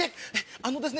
あのですね